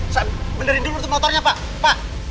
saya benerin dulu tuh motornya pak